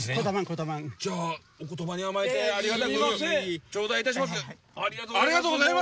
じゃあお言葉に甘えてありがたく頂戴いたします。